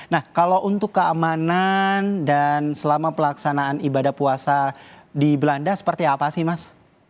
nah kalau untuk keamanan dan selama pelaksanaan ibadah puasa di belanda seperti apa sih mas